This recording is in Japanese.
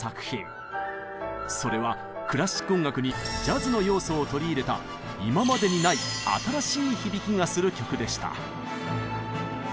それはクラシック音楽にジャズの要素を取り入れた今までにない新しい響きがする曲でした。